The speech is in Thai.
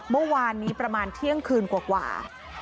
เมื่อวานนี้ประมาณเที่ยงคืนกว่า